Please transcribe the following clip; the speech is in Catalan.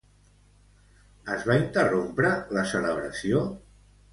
Es va interrompre la celebració?